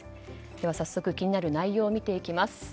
早速気になる内容を見ていきます。